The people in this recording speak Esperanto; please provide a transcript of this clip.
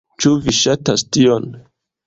Ĉu vi ŝatas tion?